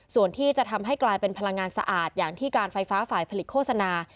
ส่วนที่จะทำให้กลายเป็นพลังงานสะอาดอย่างที่การไฟฟ้าฝ่ายผลิตโฆษณา